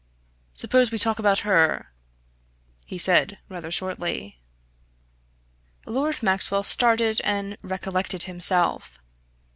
"Suppose we talk about her?" he said rather shortly. Lord Maxwell started and recollected himself.